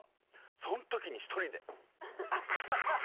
そん時に一人で。